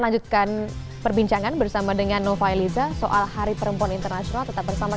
lanjutkan perbincangan bersama dengan nova eliza soal hari perempuan internasional tetap bersama